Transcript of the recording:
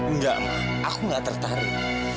enggak ma aku enggak tertarik